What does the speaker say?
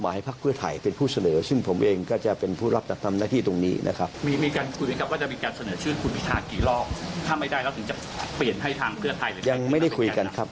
ถ้าไม่ได้แล้วถึงจะเปลี่ยนให้ทางเพื่อใคร